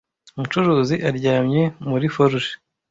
umucuzi aryamye muri forge